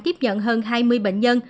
tiếp nhận hơn hai mươi bệnh nhân